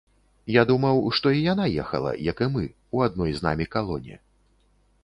Я думаў, што і яна ехала, як і мы, у адной з намі калоне.